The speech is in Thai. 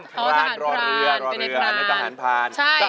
ทุกสิ่งทุกอย่างที่ทำไปนะครับจากหัวใจของเราสองคน